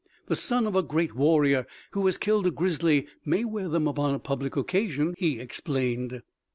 The son of a great warrior who has killed a grizzly may wear them upon a public occasion," he explained.